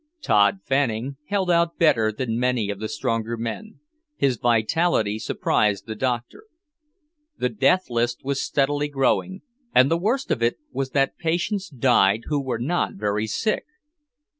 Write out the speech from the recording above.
VIII Tod Fanning held out better than many of the stronger men; his vitality surprised the doctor. The death list was steadily growing; and the worst of it was that patients died who were not very sick.